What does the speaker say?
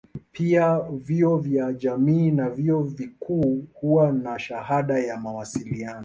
Pia vyuo vya jamii na vyuo vikuu huwa na shahada ya mawasiliano.